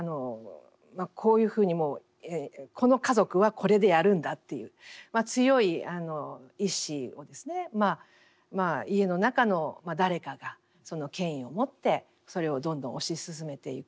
こういうふうにもうこの家族はこれでやるんだっていう強い意志を家の中の誰かがその権威をもってそれをどんどん推し進めていく。